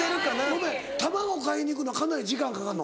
ごめん卵買いに行くのかなり時間かかんの？